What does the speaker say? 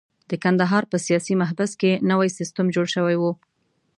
د کندهار په سیاسي محبس کې نوی سیستم جوړ شوی وو.